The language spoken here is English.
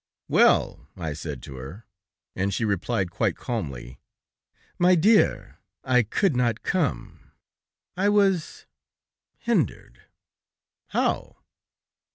"Well!" I said to her. And she replied quite calmly: "My dear I could not come; I was hindered." "How?"